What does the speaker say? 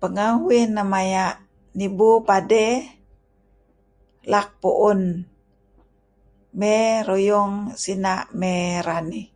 Pengeh uih neh maya' nibu padey laak pu'un mey ruyung sina' mey ranih .